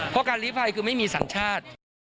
เพราะการลีภัยคือไม่มีสัญชาติ